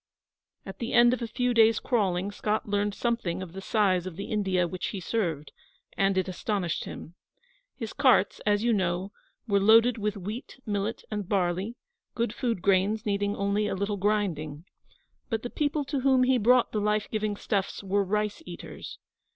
At the end of a few days' crawling Scott learned something of the size of the India which he served; and it astonished him. His carts, as you know, were loaded with wheat, millet, and barley, good food grains needing only a little grinding. But the people to whom he brought the life giving stuffs were rice eaters.